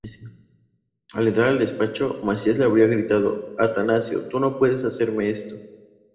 Al entrar al despacho, Macías le habría gritado: "!Atanasio, tu no puedes hacerme esto!".